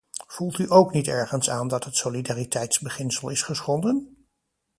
Voelt u ook niet ergens aan dat het solidariteitsbeginsel is geschonden?